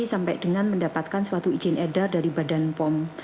sampai dengan mendapatkan suatu izin edar dari badan pom